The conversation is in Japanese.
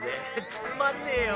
つまんねえよ。